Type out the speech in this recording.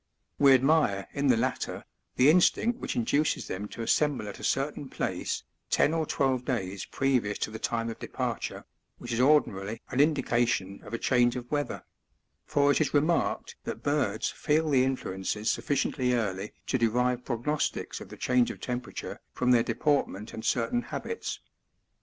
We admire in the latter the instinct which induces them to assemble at a cer tain place, ten or twelve days previous to the time of departure, which is ordinarily an indication of a change of weather ; for it is remarked that birds feel the influences sufficiently early to derive ^prognostics of the change of temperature from their deportment and certain habits.